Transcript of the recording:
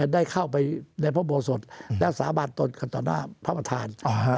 ได้เข้าไปในพระโบสถและสาบานตดกันต่อหน้าพระประธาน